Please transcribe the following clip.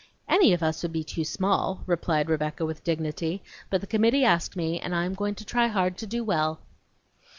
"Any of us would be too small," replied Rebecca with dignity, "but the committee asked me, and I am going to try hard to do well."